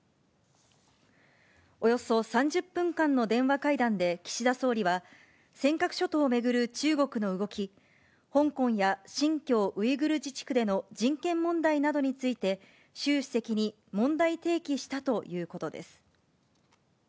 およそ３０分間の電話会談で岸田総理は、尖閣諸島を巡る中国の動き、香港や新疆ウイグル自治区での人権問題などについて、習主席に問題提起したということです。